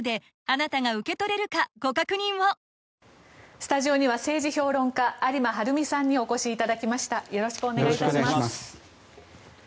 スタジオには政治評論家有馬晴海さんにお越しいただきました。